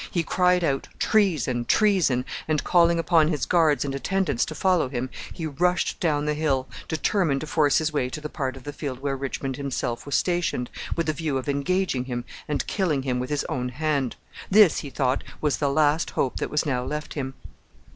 He cried out, Treason! Treason! and, calling upon his guards and attendants to follow him, he rushed down the hill, determined to force his way to the part of the field where Richmond himself was stationed, with a view of engaging him and killing him with his own hand. This, he thought, was the last hope that was now left him.